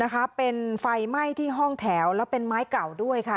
เป็นไฟไหม้ที่ห้องแถวแล้วเป็นไม้เก่าด้วยค่ะ